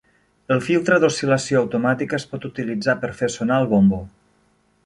El filtre d'oscil·lació automàtica es pot utilitzar per fer sonar el bombo.